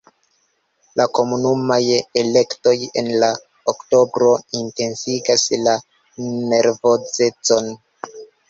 La komunumaj elektoj en oktobro intensigas la nervozecon.